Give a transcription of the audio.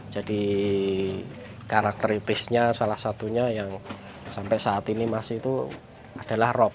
jadi karakteritisnya salah satunya yang sampai saat ini masih itu adalah rob